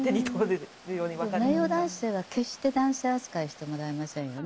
名誉男性は決して男性扱いしてもらえませんよね。